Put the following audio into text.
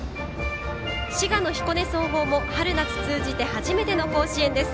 滋賀の彦根総合も春夏通じて初めての甲子園です。